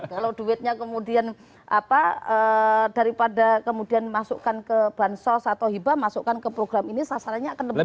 kalau duitnya kemudian daripada kemudian masukkan ke bansos atau hibah masukkan ke program ini sasarannya akan lebih banyak